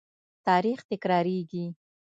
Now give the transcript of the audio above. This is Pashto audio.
تاریخ تکرارېږي.